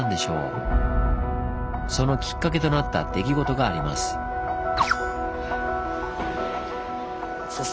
そのきっかけとなった出来事があります。